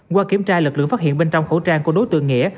qua kiểm tra lực lượng phát hiện bên trong khẩu trang của đối tượng nghĩa